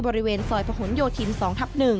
บริเวณซอยผนโยทิม๒ทับ๑